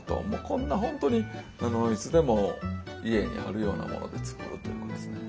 こんな本当にいつでも家にあるようなもので作るというものですね。